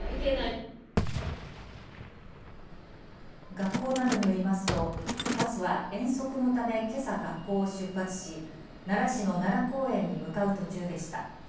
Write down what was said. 学校などによりますとバスは遠足のためけさ学校を出発し奈良市の奈良公園に向かう途中でした。